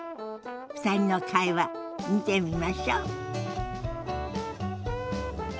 ２人の会話見てみましょ。